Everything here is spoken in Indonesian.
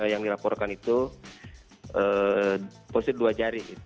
yang dilaporkan itu positif dua jari